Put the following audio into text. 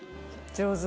上手。